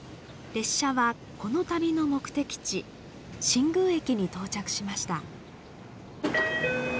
列車はこの旅の目的地新宮駅に到着しました。